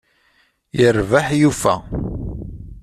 Yerbeḥ yufa!